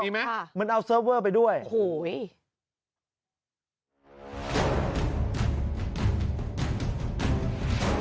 มีไหมค่ะเหมือนเอาเซิร์ฟเวอร์ไปด้วยโอ้โห